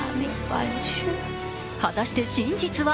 果たして真実は？